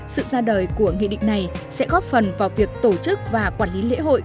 sự ra đời của nghị định này sẽ góp phần vào việc tổ chức và quản lý lễ hội